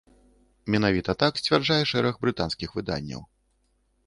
Менавіта так сцвярджае шэраг брытанскіх выданняў.